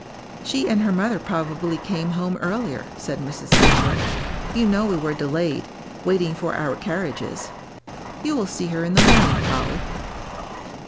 "She and her mother probably came home earlier," said Mrs. Fisher; "you know we were delayed, waiting for our carriages. You will see her in the morning, Polly."